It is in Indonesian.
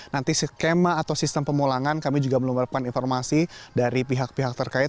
nanti skema atau sistem pemulangan kami juga belum mendapatkan informasi dari pihak pihak terkait